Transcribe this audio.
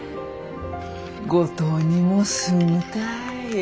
五島にもすぐたい。